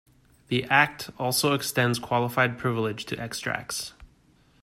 The Act also extends qualified privilege to extracts.